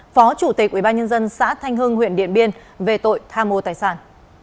phó chủ tịch ubnd xã thanh hưng huyện điện biên về tội tham mô tài sản